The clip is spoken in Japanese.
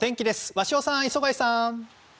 鷲尾さん、磯貝さん！